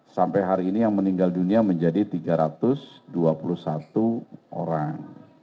sampai hari ini yang meninggal dunia menjadi tiga ratus dua puluh satu orang